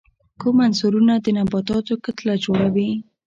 کوم عنصرونه د نباتاتو کتله جوړي؟